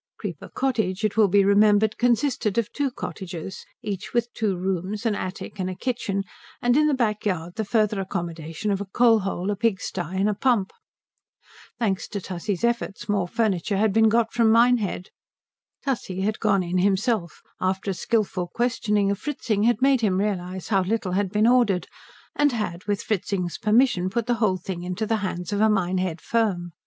Creeper Cottage, it will be remembered, consisted of two cottages, each with two rooms, an attic, and a kitchen, and in the back yard the further accommodation of a coal hole, a pig stye, and a pump. Thanks to Tussie's efforts more furniture had been got from Minehead. Tussie had gone in himself, after a skilful questioning of Fritzing had made him realize how little had been ordered, and had, with Fritzing's permission, put the whole thing into the hands of a Minehead firm.